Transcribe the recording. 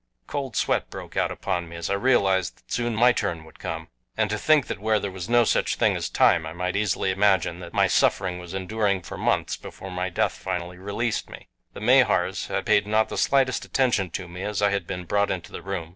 Cold sweat broke out upon me as I realized that soon my turn would come. And to think that where there was no such thing as time I might easily imagine that my suffering was enduring for months before death finally released me! The Mahars had paid not the slightest attention to me as I had been brought into the room.